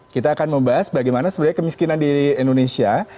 kita akan membahas bagaimana sebenarnya kemiskinan di indonesia